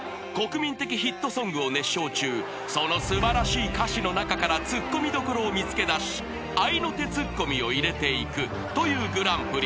［国民的ヒットソングを熱唱中その素晴らしい歌詞の中からツッコミどころを見つけ出し合いの手ツッコミを入れていくというＧＰ］